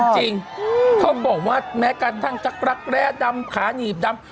จริงเขาบอกว่าแม้กระทั่งจักรักแร้ดำขาหนีบดำ